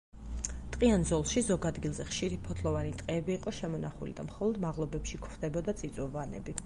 ტყიან ზოლში, ზოგ ადგილზე ხშირი ფოთლოვანი ტყეები იყო შემონახული და მხოლოდ მაღლობებში გვხვდებოდა წიწვოვანები.